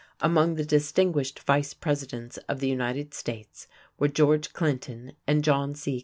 Among the distinguished Vice Presidents of the United States were George Clinton and John C.